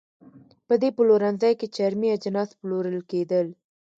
په دې پلورنځۍ کې چرمي اجناس پلورل کېدل.